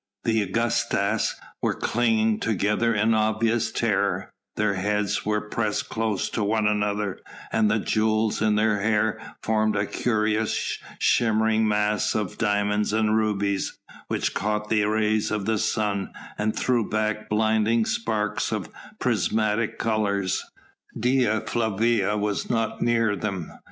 The Augustas were clinging together in obvious terror, their heads were pressed close to one another, and the jewels in their hair formed a curious shimmering mass of diamonds and rubies which caught the rays of the sun and threw back blinding sparks of prismatic colours. Dea Flavia was not near them.